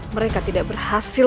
mereka tidak berhasil